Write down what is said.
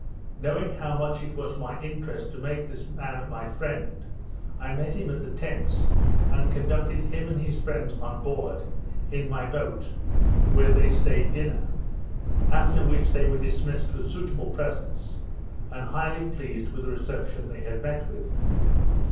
Knowing how much it was my interest to make this man my friend, I met him at the tents, and conducted him and his friends on board, in my boat, where they staid dinner; after which they were dismissed with suitable presents, and highly pleased with the reception they had met with.